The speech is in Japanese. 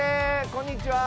こんにちは。